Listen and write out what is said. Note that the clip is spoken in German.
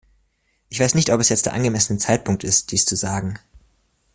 Ich weiß nicht, ob es jetzt der angemessene Zeitpunkt ist, dies zu sagen.